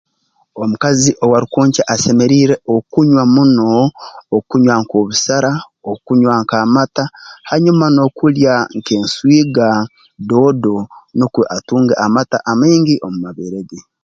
Omukazi owaarukwonkya asemeriire okunywa muno okunywa nk'obusera okunywa nk'amata hanyuma n'okulya nk'enswiga doodo nukwo atunge amata amaingi omu mabeere ge